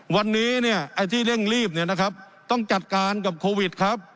วันนี้เนี่ยไอ้ที่เร่งรีบเนี่ยนะครับต้องจัดการกับโควิดครับ